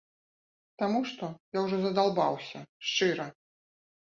Таму што я ўжо задалбаўся, шчыра!